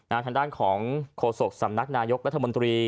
ทางด้านของโฆษกสำนักนายกรัฐมนตรี